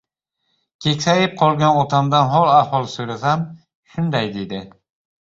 Keksayib qolgan otamdan hol-ahvol so‘rasam, shunday derdi: